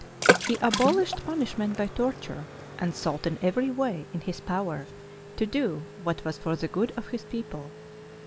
He abolished punish ment by torture, and sought in every way in his power to do what was for the good of his people.